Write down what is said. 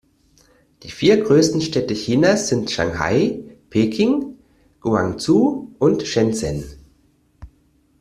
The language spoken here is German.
Die vier größten Städte Chinas sind Shanghai, Peking, Guangzhou und Shenzhen.